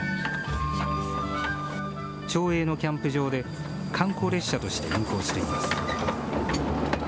町営のキャンプ場で観光列車として運行しています。